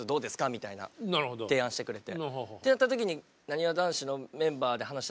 みたいな提案してくれて。